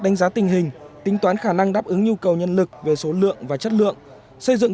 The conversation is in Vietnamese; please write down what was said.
đánh giá tình hình tính toán khả năng đáp ứng nhu cầu nhân lực về số lượng và chất lượng xây dựng